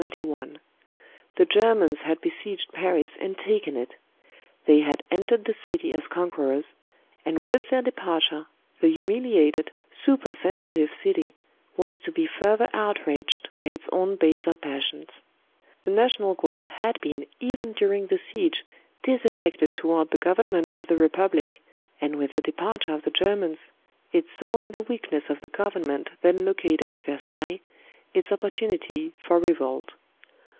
The Germans had besieged Paris and taken it ; they had entered the city as conquerors, and with their departure the humiliated, su persensitive city was to be further outraged by its own THE CATACOMBS OF PARIS 129 baser passions. The National Guard had been even during the siege disaffected toward the Government of the Repub lic, and with the departure of the Germans, it saw in the weakness of the Government then located at Versailles its opportunity for revolt.